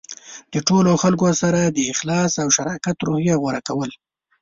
د ټولو خلکو سره د اخلاص او شراکت روحیه غوره کول.